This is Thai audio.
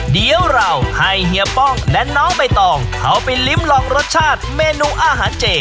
เดี๋ยวเราให้เฮียป้องและน้องใบตองเขาไปลิ้มลองรสชาติเมนูอาหารเจ